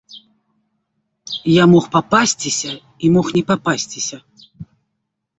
Я мог папасціся і мог не папасціся.